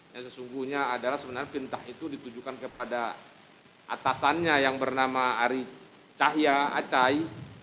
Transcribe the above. yang sesungguhnya adalah sebenarnya fintah itu ditujukan kepada atasannya yang bernama ari cahya acai